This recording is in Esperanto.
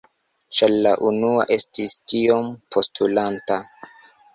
Ĉar la unua estis tiom postulanta.